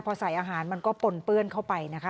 พอใส่อาหารมันก็ปนเปื้อนเข้าไปนะคะ